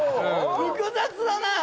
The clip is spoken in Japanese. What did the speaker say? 複雑だな